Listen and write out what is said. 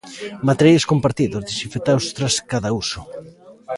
Materiais compartidos desinfectados tras cada uso.